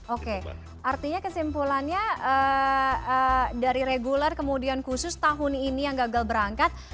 oke artinya kesimpulannya dari reguler kemudian khusus tahun ini yang gagal berangkat